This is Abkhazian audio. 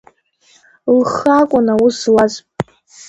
Лхы акәын аус злаз.